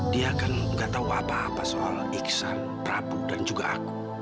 dia kan gak tahu apa apa soal iksan prabu dan juga aku